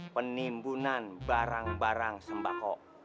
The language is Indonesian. penimbunan barang barang sembako